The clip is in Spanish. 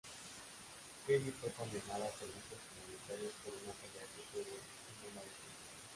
Kelly fue condenada a Servicios comunitarios por una pelea que tuvo en una discoteca.